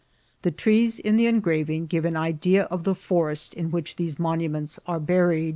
The trees in the engraving give an idea of the forest in which these monuments are buried.